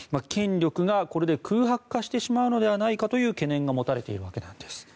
権力がこれで、空白化してしまうのではないかという懸念が持たれているわけなんです。